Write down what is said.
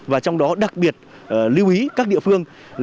và trong đó đặc biệt lưu ý các địa phương